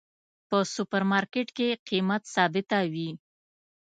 په سوپر مرکیټ کې قیمت ثابته وی